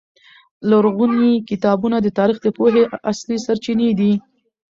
لرغوني کتابونه د تاریخ د پوهې اصلي سرچینې دي.